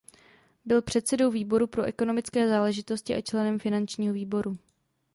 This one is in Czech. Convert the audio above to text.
Byl předsedou výboru pro ekonomické záležitosti a členem finančního výboru.